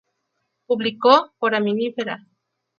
Publicó Foraminifera.